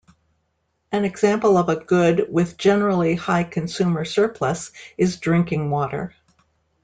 An example of a good with generally high consumer surplus is drinking water.